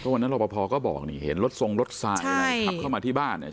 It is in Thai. วันนั้นเราพอก็บอกเห็นรถทรงรถสายขับเข้ามาที่บ้าน